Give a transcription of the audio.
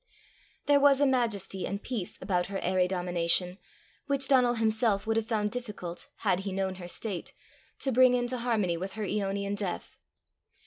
There was a majesty and peace about her airy domination, which Donal himself would have found difficult, had he known her state, to bring into harmony with her aeonian death.